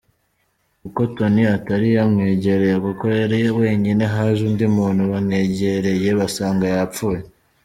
Kuko Tony atari yamwegereye kuko yari wenyine haje undi muntu bamwegereye basanga yapfuye”.